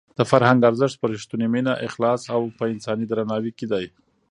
د فرهنګ ارزښت په رښتونې مینه، اخلاص او په انساني درناوي کې دی.